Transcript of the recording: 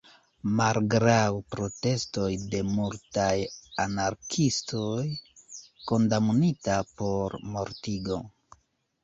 Malgraŭ protestoj de multaj anarkiistoj, kondamnita por mortigo.